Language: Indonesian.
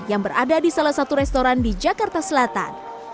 yang berada di salah satu restoran di jakarta selatan